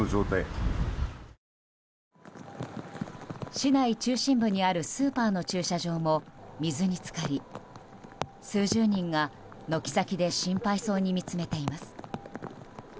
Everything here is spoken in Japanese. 市内中心部にあるスーパーの駐車場も水に浸かり数十人が軒先で心配そうに見つめています。